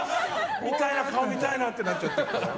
顔見たいなってなっちゃって。